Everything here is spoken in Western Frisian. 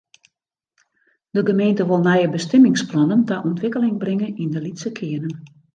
De gemeente wol nije bestimmingsplannen ta ûntwikkeling bringe yn de lytse kearnen.